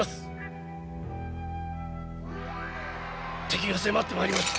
敵が迫ってまいります。